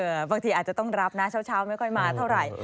บางทีอาจจะต้องรับนะเช้าไม่ค่อยมาเท่าไหร่